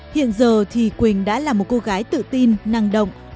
hiện giờ thì quỳnh đã là một cô gái tự tin năng động